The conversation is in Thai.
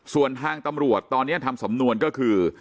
ส่วนทางตำรวจตอนนี้ทำสำนวนก็คือ